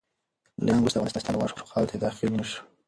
له ایران وروسته افغانستان ته روان شو، خو خاورې ته یې داخل نه شو.